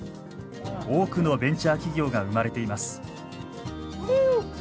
多くのベンチャー企業が生まれています。